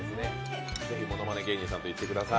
ぜひものまね芸人さんと行ってください。